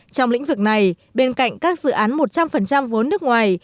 trong lĩnh vực này bên cạnh các dự án một trăm linh vốn nước ngoài